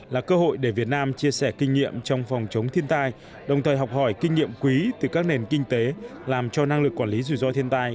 là cơ hội để việt nam chia sẻ kinh nghiệm trong phòng chống thiên tai